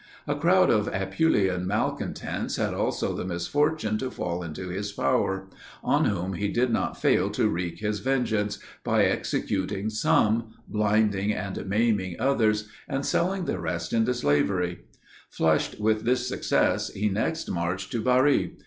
A crowd of Apulian malcontents had also the misfortune to fall into his power; on whom he did not fail to wreak his vengeance, by executing some; blinding and maiming others; and selling the rest into slavery. Flushed with this success, he next marched to Bari.